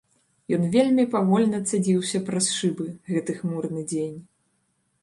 Ён вельмі павольна цадзіўся праз шыбы, гэты хмурны дзень.